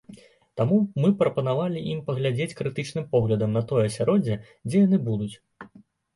Таму мы прапанавалі ім паглядзець крытычным поглядам на тое асяроддзе, дзе яны будуць.